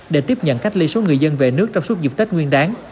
để tiếp nhận cách ly số người dân về nước trong suốt dịp tết nguyên đáng